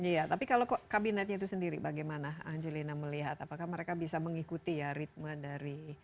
iya tapi kalau kabinetnya itu sendiri bagaimana angelina melihat apakah mereka bisa mengikuti ya ritme dari